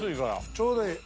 ちょうどいい。